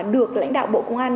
được lãnh đạo bộ công an